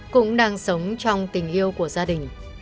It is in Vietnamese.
cũng đang sống trong tình yêu của gia đình